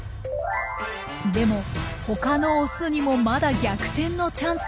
でも他のオスにもまだ逆転のチャンスが。